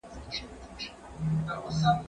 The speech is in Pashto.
زه اوس اوبه پاکوم